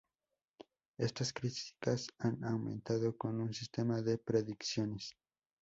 Estas críticas han aumentado con su sistema de predicciones.